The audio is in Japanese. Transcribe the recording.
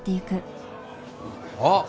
あっ！